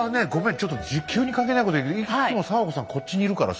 ちょっと急に関係ないこと言うけどいつも佐和子さんこっちにいるからさ。